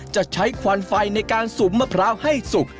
จะใช้ควันไฟในการสุ่มมะพร้าวให้สุก